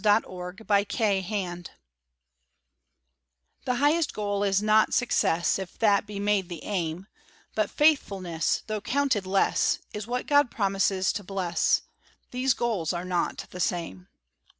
THE HIGHEST GOAL The highest goal is not success, If that be made the aim; But faithfulness, tho' counted less, Is what God promises to bless: These goals are not the same.